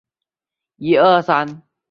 仁寿元年。